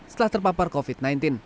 setelah terpapar covid sembilan belas